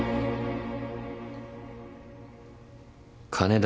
金だ。